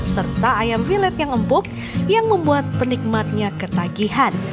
serta ayam villet yang empuk yang membuat penikmatnya ketagihan